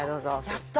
やった！